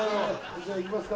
じゃあ行きますか。